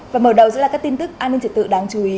và mở đầu sẽ là các tin tức an ninh trật tự đáng chú ý